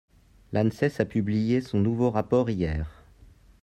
L’ANSES a publié son nouveau rapport hier.